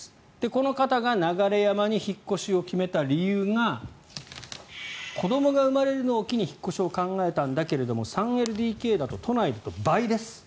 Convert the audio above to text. この方が流山に引っ越しを決めた理由が子どもが生まれるのを機に引っ越しを考えたんだけども３ＬＤＫだと都内だと倍です。